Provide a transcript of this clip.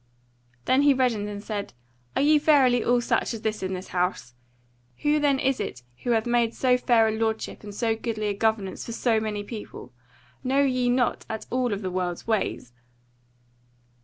Then he reddened, and said: "Are ye verily all such as this in this House? Who then is it who hath made so fair a lordship, and so goodly a governance for so many people? Know ye not at all of the world's ways!"